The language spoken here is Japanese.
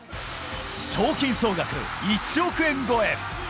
賞金総額１億円超え。